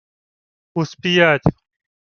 — У сп'ять!